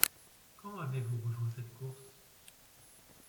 Quand avez-vous rejoint cette course ?